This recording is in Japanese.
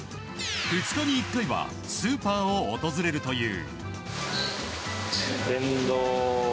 ２日に１回はスーパーを訪れるという。